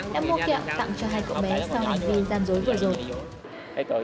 đã mua kẹo tặng cho hai cậu bé sau hành vi gian dối vừa rồi